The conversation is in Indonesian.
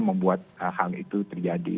membuat hal itu terjadi